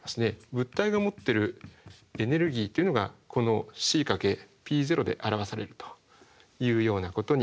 物体が持ってるエネルギーというのがこのｃ×ｐで表されるというようなことになります。